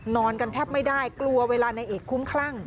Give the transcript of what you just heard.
นอนกันแทบไม่ได้กลัวเวลานายเอกคุ้มคลั่ง